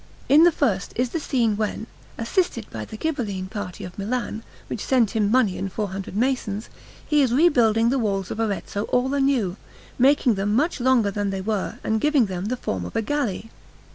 In the first is the scene when, assisted by the Ghibelline party of Milan, which sent him money and four hundred masons, he is rebuilding the walls of Arezzo all anew, making them much longer than they were and giving them the form of a galley.